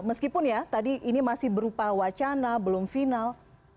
meskipun ya tadi ini masih berupa wacana belum final